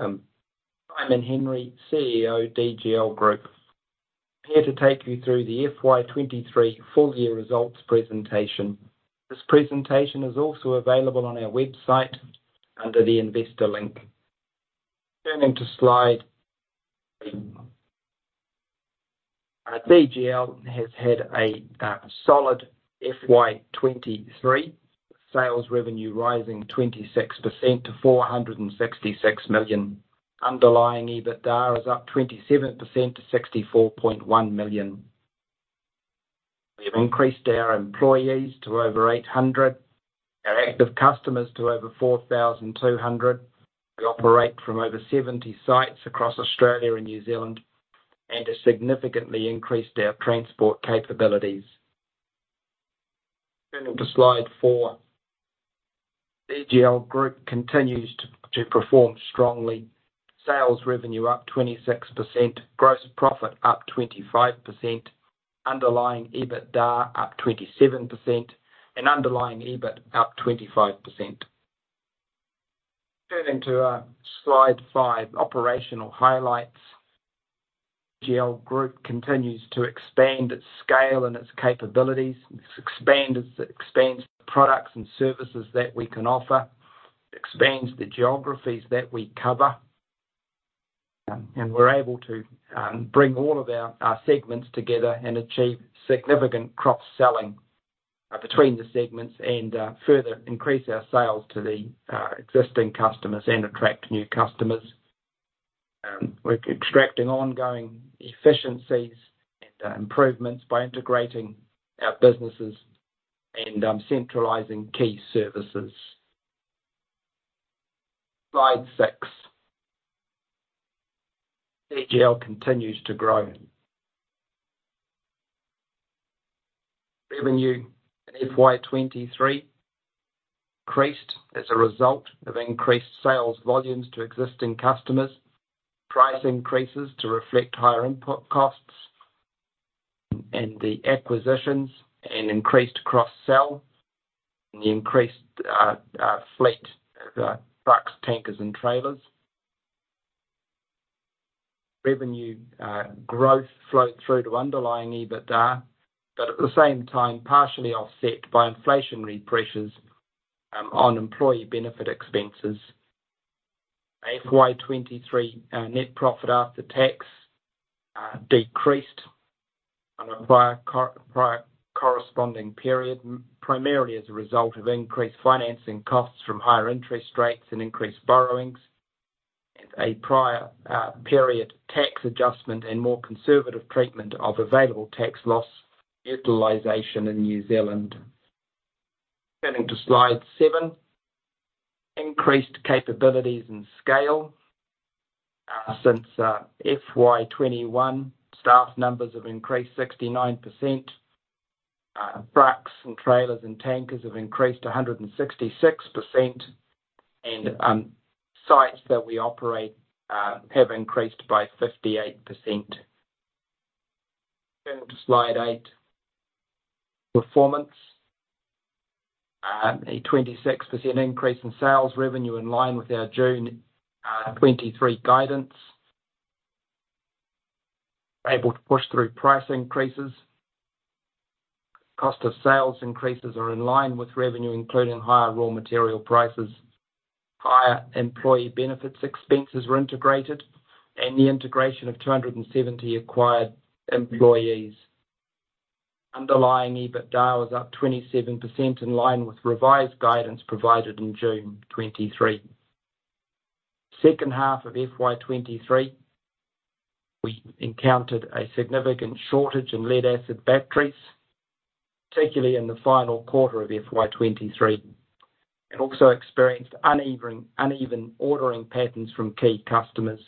Welcome. I'm Simon Henry, CEO, DGL Group. I'm here to take you through the FY 2023 full year results presentation. This presentation is also available on our website under the Investor link. Turning to slide. DGL has had a solid FY 2023. Sales revenue rising 26% to 466 million. Underlying EBITDA is up 27% to 64.1 million. We have increased our employees to over 800, our active customers to over 4,200. We operate from over 70 sites across Australia and New Zealand, and have significantly increased our transport capabilities. Turning to slide 4. DGL Group continues to perform strongly. Sales revenue up 26%, gross profit up 25%, underlying EBITDA up 27%, and underlying EBIT up 25%. Turning to slide 5, operational highlights. DGL Group continues to expand its scale and its capabilities. This expand as it expands the products and services that we can offer, expands the geographies that we cover, and we're able to bring all of our segments together and achieve significant cross-selling between the segments and further increase our sales to the existing customers and attract new customers. We're extracting ongoing efficiencies and improvements by integrating our businesses and centralizing key services. Slide 6. DGL continues to grow. Revenue in FY 2023 increased as a result of increased sales volumes to existing customers, price increases to reflect higher input costs, and the acquisitions and increased cross-sell and the increased fleet trucks, tankers, and trailers. Revenue growth flowed through to underlying EBITDA, but at the same time, partially offset by inflationary pressures on employee benefit expenses. FY 2023, net profit after tax decreased on a prior corresponding period, primarily as a result of increased financing costs from higher interest rates and increased borrowings, and a prior period tax adjustment and more conservative treatment of available tax loss utilization in New Zealand. Turning to Slide 7, increased capabilities and scale. Since FY 2021, staff numbers have increased 69%, trucks and trailers and tankers have increased 166%, and sites that we operate have increased by 58%. Turning to Slide 8, performance. A 26% increase in sales revenue in line with our June 2023 guidance. Able to push through price increases. Cost of sales increases are in line with revenue, including higher raw material prices. Higher employee benefits expenses were integrated, and the integration of 270 acquired employees. Underlying EBITDA was up 27%, in line with revised guidance provided in June 2023. Second half of FY 2023, we encountered a significant shortage in lead-acid batteries, particularly in the final quarter of FY 2023, and also experienced uneven ordering patterns from key customers.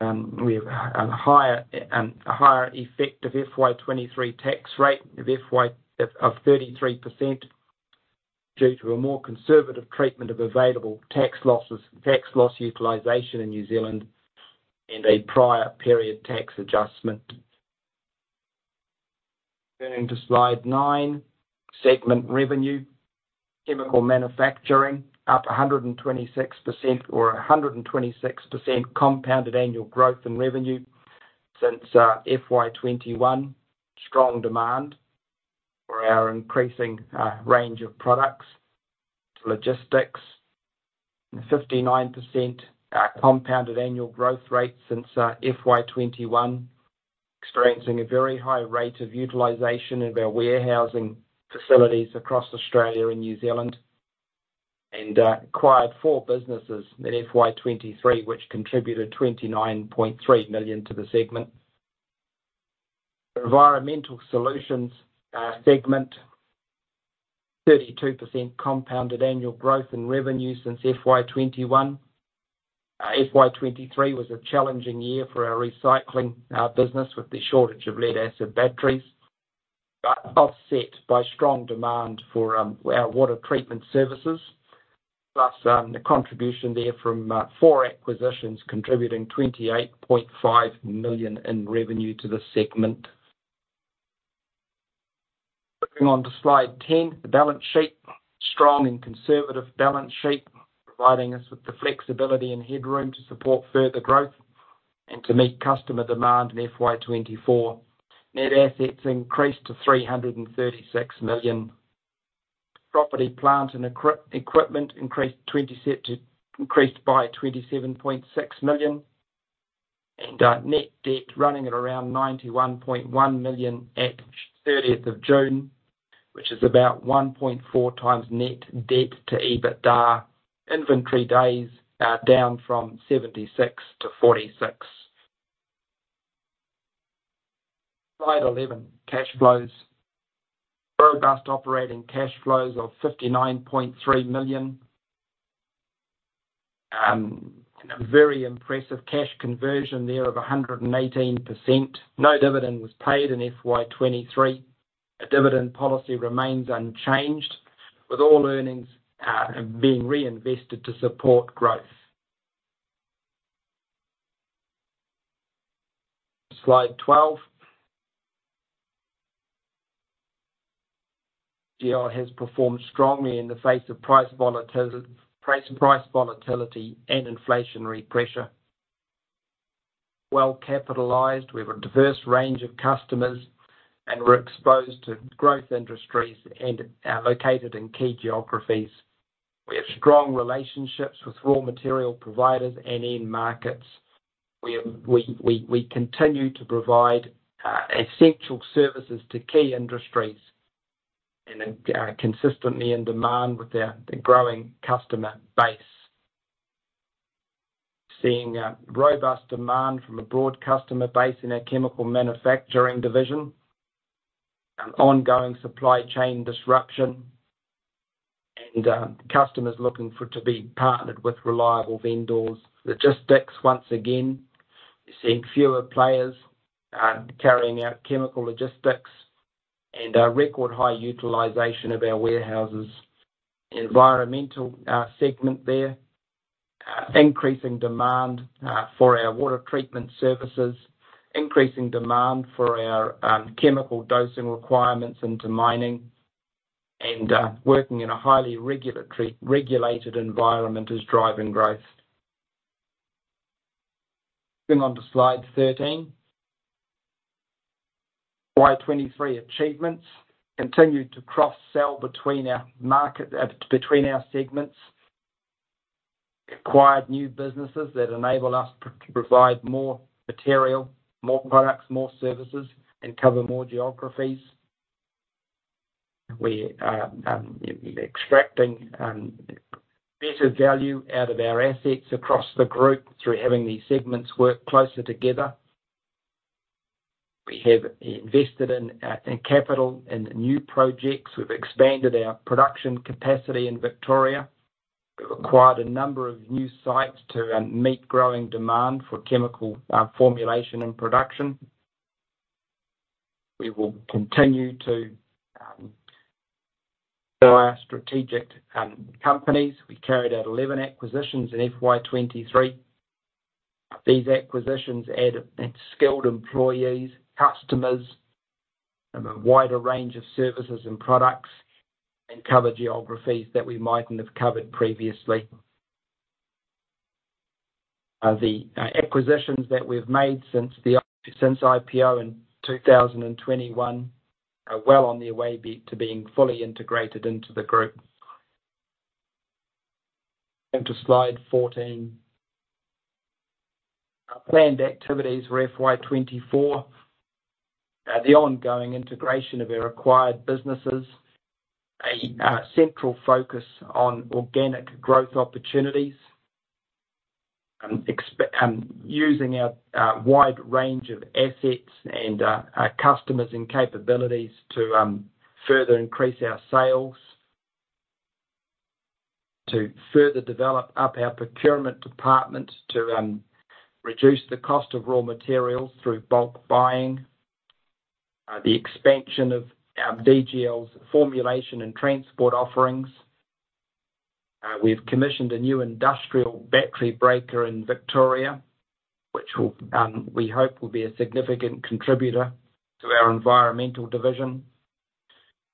We have a higher effect of FY 2023 tax rate of 33%, due to a more conservative treatment of available tax losses, tax loss utilization in New Zealand and a prior period tax adjustment. Turning to Slide 9, segment revenue. Chemical Manufacturing, up 126%, or 126% compounded annual growth in revenue since FY 2021. Strong demand for our increasing range of products. Logistics, 59%, compounded annual growth rate since FY 2021, experiencing a very high rate of utilization of our warehousing facilities across Australia and New Zealand, and acquired 4 businesses in FY 2023, which contributed 29.3 million to the segment. Environmental Solutions segment, 32% compounded annual growth in revenue since FY 2021. FY 2023 was a challenging year for our recycling business, with the shortage of lead-acid batteries, but offset by strong demand for our water treatment services, plus the contribution there from 4 acquisitions, contributing 28.5 million in revenue to the segment. Moving on to Slide 10, the balance sheet. Strong and conservative balance sheet, providing us with the flexibility and headroom to support further growth and to meet customer demand in FY 2024. Net assets increased to 336 million. Property, plant, and equipment increased by 27.6 million, and net debt running at around 91.1 million at 30th of June, which is about 1.4 times net debt to EBITDA. Inventory days are down from 76 to 46. Slide 11, cash flows. Robust operating cash flows of 59.3 million and a very impressive cash conversion there of 118%. No dividend cas paid in FY 2023. Our dividend policy remains unchanged, with all earnings being reinvested to support growth. Slide 12. DGL has performed strongly in the face of price volatility and inflationary pressure. Well-capitalized, we have a diverse range of customers, and we're exposed to growth industries and are located in key geographies. We have strong relationships with raw material providers and end markets. We continue to provide essential services to key industries and consistently in demand with our the growing customer base. Seeing robust demand from a broad customer base in our Chemical Manufacturing division, ongoing supply chain disruption, and customers looking for to be partnered with reliable vendors. Logistics, once again, we're seeing fewer players carrying out chemical logistics and a record high utilization of our warehouses. Environmental segment there, increasing demand for our water treatment services, increasing demand for our chemical dosing requirements into mining, and working in a highly regulated environment is driving growth. Moving on to Slide 13. FY 2023 achievements continued to cross-sell between our market between our segments. Acquired new businesses that enable us to provide more material, more products, more services, and cover more geographies. We are extracting better value out of our assets across the group through having these segments work closer together. We have invested in capital and new projects. We've expanded our production capacity in Victoria. We've acquired a number of new sites to meet growing demand for chemical formulation and production. We will continue to buy strategic companies. We carried out 11 acquisitions in FY 23. These acquisitions add skilled employees, customers, a wider range of services and products, and cover geographies that we mightn't have covered previously. The acquisitions that we've made since IPO in 2021 are well on their way to being fully integrated into the group. Onto Slide 14. Our planned activities for FY 2024 are the ongoing integration of our acquired businesses, a central focus on organic growth opportunities, using our wide range of assets and our customers and capabilities to further increase our sales. To further develop up our procurement department to reduce the cost of raw materials through bulk buying. The expansion of our DGL's formulation and transport offerings. We've commissioned a new industrial battery breaker in Victoria, which will, we hope, be a significant contributor to our environmental division.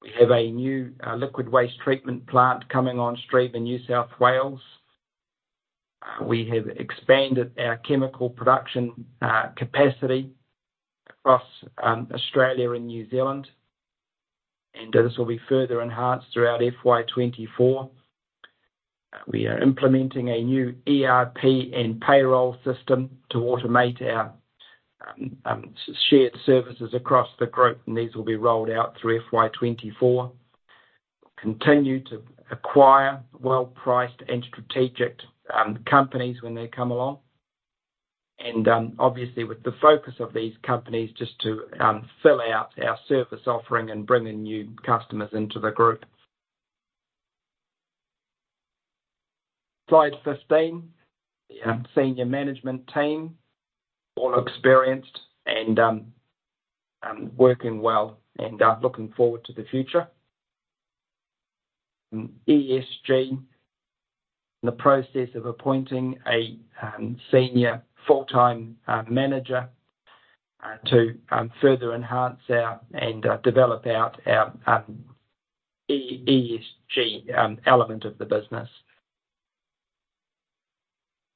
We have a new liquid waste treatment plant coming on stream in New South Wales. We have expanded our chemical production capacity across Australia and New Zealand, and this will be further enhanced throughout FY 2024. We are implementing a new ERP and payroll system to automate our shared services across the group, and these will be rolled out through FY 2024. Continue to acquire well-priced and strategic companies when they come along, and obviously with the focus of these companies, just to fill out our service offering and bringing new customers into the group. Slide 15, senior management team. All experienced and working well, and looking forward to the future. ESG, in the process of appointing a senior full-time manager to further enhance our and develop out our ESG element of the business.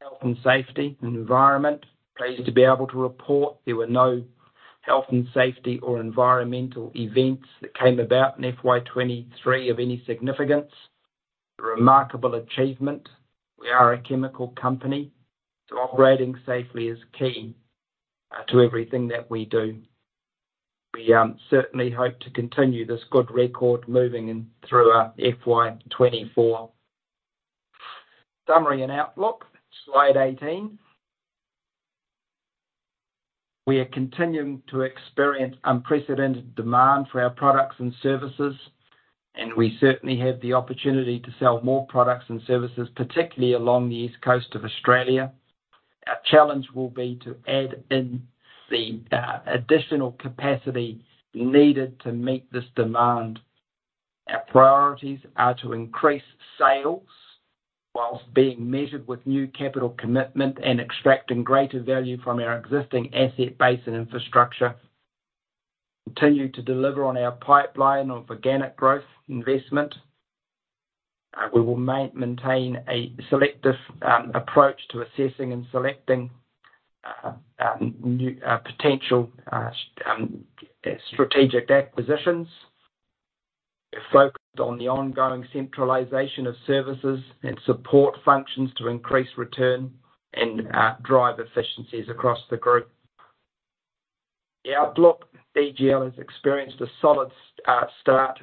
Health and safety and environment. Pleased to be able to report there were no health and safety or environmental events that came about in FY 2023 of any significance. A remarkable achievement. We are a chemical company, so operating safely is key to everything that we do. We certainly hope to continue this good record moving in through our FY 2024. Summary and outlook, slide 18. We are continuing to experience unprecedented demand for our products and services, and we certainly have the opportunity to sell more products and services, particularly along the East Coast of Australia. Our challenge will be to add in the additional capacity needed to meet this demand. Our priorities are to increase sales whilst being measured with new capital commitment and extracting greater value from our existing asset base and infrastructure, continue to deliver on our pipeline of organic growth investment. We will maintain a selective approach to assessing and selecting new potential strategic acquisitions. We're focused on the ongoing centralization of services and support functions to increase return and drive efficiencies across the group. The outlook, DGL has experienced a solid start,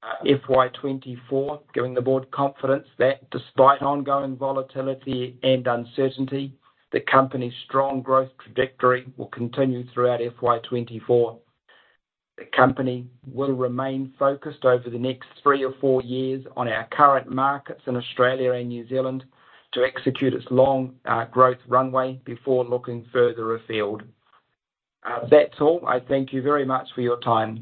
a solid trading start to FY 2024, giving the Board confidence that despite ongoing volatility and uncertainty, the company's strong growth trajectory will continue throughout FY 2024. The company will remain focused over the next three or four years on our current markets in Australia and New Zealand to execute its long growth runway before looking further afield. That's all. I thank you very much for your time.